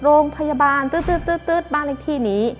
โรงพยาบาลตื๊ดบ้านเลขที่นี้